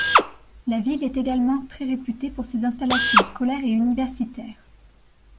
La ville est également très réputée pour ses installations scolaires et universitaires.